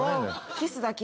キスだけ？